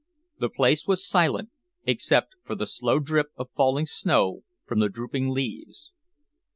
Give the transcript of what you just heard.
The place was silent except for the slow drip of falling snow from the drooping leaves.